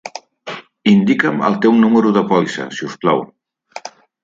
Indica'm el teu número de pòlissa, si us plau.